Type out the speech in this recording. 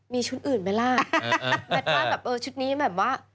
มีชุดอื่นไหมล่ะ